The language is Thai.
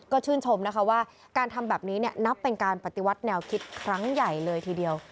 ก็ชื่นชมนะคะว่าการทำแบบนี้นับเป็นการปฏิวัติแนวคิดครั้งใหญ่เลยทีเดียว